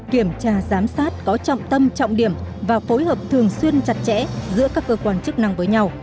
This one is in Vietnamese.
kiểm tra giám sát có trọng tâm trọng điểm và phối hợp thường xuyên chặt chẽ giữa các cơ quan chức năng với nhau